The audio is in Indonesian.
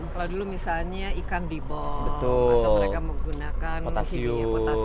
kalau dulu misalnya ikan dibong atau mereka menggunakan potasium